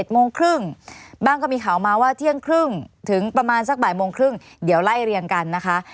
โมงครึ่งบ้างก็มีข่าวมาว่าเที่ยงครึ่งถึงประมาณสักบ่ายโมงครึ่งเดี๋ยวไล่เรียงกันนะคะ